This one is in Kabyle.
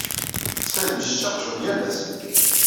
Ttxil-m ssečč aqjun yal ass.